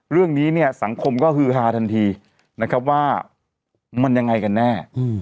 เรื่องนี้สังคมก็ฮือฮาทันทีว่ามันยังไงกันแน่